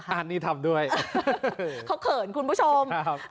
อันนี้ทำด้วยเขาเขินคุณผู้ชมครับ